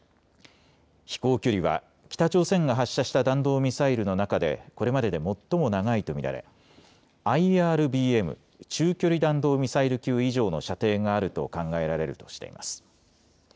飛行距離は北朝鮮が発射した弾道ミサイルの中でこれまでで最も長いと見られＩＲＢＭ・中距離弾道ミサイル級以上の射程があると考えられるとしています。